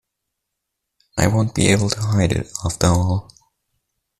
I won't be able to hide it after all.